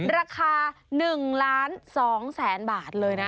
ราคา๑ล้าน๒แสนบาทเลยนะ